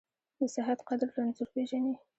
د صحت قدر رنځور پېژني .